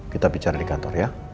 kita bicara di kantor ya